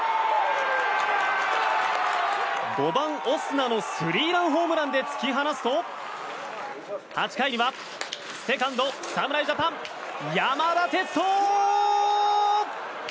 ５番、オスナのスリーランホームランで突き放すと８回にはセカンド侍ジャパン、山田哲人！